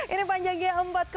ini panjangnya empat